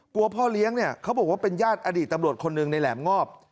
พ่อเลี้ยงเนี่ยเขาบอกว่าเป็นญาติอดีตตำรวจคนหนึ่งในแหลมงอบ